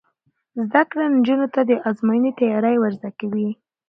زده کړه نجونو ته د ازموینې تیاری ور زده کوي.